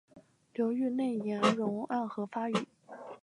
流域内岩溶暗河发育。